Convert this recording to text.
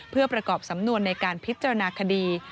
เพื่อประกอบสำนวนในการพิจารณาคดี